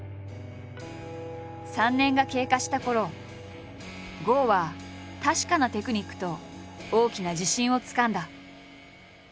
３年が経過したころ郷は確かなテクニックと大きな自信をつかんだ。